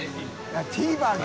ＴＶｅｒ」か。